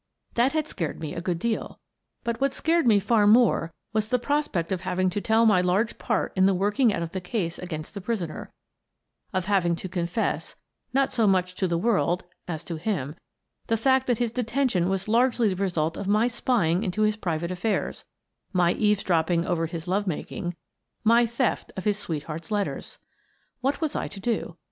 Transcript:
That had scared me a good deal, but what scared me far more was the prospect of having to tell my large part in the work ing out of the case against the prisoner ; of having to confess — not so much to the world, as to him — the fact that his detention was largely the result of my spying into his private affairs, my eavesdropping over his love making, my theft of his sweetheart's letters! . What was I to do?